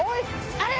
あれ！